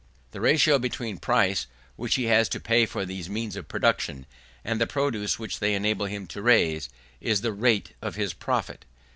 The ratio between the price which he has to pay for these means of production, and the produce which they enable him to raise, is the rate of his profit.